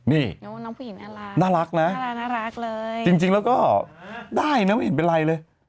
นี่น่ารักนะจริงแล้วก็ได้นะไม่เห็นเป็นไรเลย